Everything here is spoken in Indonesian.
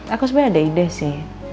aku sebenarnya ada ide sih